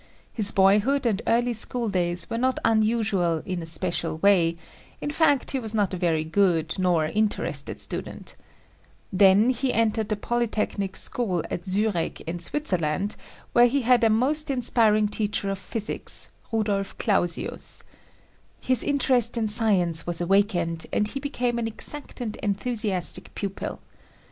His boyhood and early school days were not unusual in any special way; in fact, he was not a very good nor interested student. Then he entered the Polytechnic School at Zurich in Switzer ROENTGEN'S RAY Dr. Otto Glasser Bertha Ludwig Roentgen land where he had a most inspiring teacher of physics, Rudolph Clausius. His interest in science was awakened and he became an exact and enthusiastic pupil.